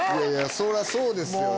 そりゃそうですよね。